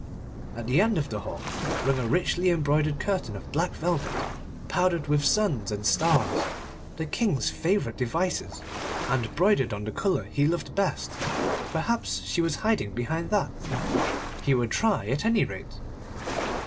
At the end of the hall hung a richly embroidered curtain of black velvet, powdered with suns and stars, the King's favourite devices, and broidered on the colour he loved best. Perhaps she was hiding behind that? He would try at any rate.